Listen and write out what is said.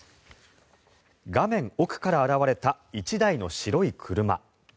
画面奥から現れた１台の白い車。